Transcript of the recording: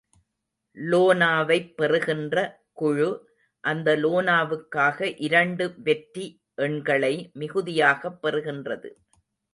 லோனா வைப் பெறுகின்ற குழு, அந்த லோனாவுக்காக இரண்டு வெற்றி எண்களை மிகுதியாகப் பெறுகின்றது.